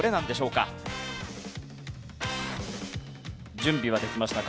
準備はできましたか？